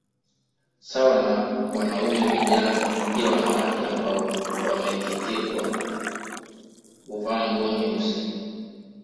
Sawa na wanaume vijana pia wanawake ambao wamekeketewa huvaa nguo nyeusi